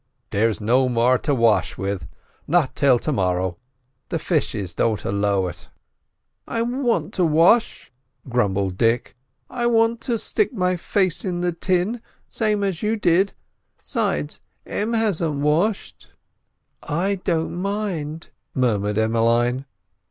"There's no more to wash with, not till to morrow—the fishes don't allow it." "I want to wash," grumbled Dick. "I want to stick my face in the tin, same's you did; 'sides, Em hasn't washed." "I don't mind," murmured Emmeline.